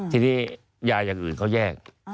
ทีนี้ยาอย่างอื่นเขาแยก